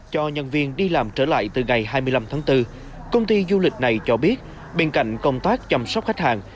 cho nhân viên đi làm trở lại từ ngày hai mươi năm tháng bốn công ty du lịch này cho biết bên cạnh công tác chăm sóc khách hàng